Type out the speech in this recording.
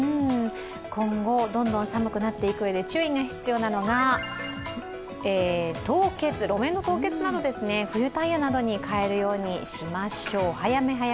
今後、どんどん寒くなっていくうえで注意が必要なのが路面の凍結などですね、冬タイヤなどにかえるようにしましょう。